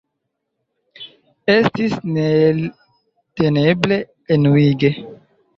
Estis neelteneble enuige.